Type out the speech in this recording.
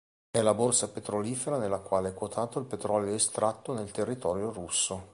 È la borsa petrolifera nella quale è quotato il petrolio estratto nel territorio russo.